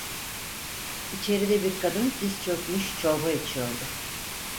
İçeride bir kadın diz çökmüş, çorba içiyordu.